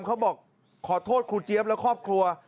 เขาบอกขอโทษครูเจี๊ยบและครอบครัว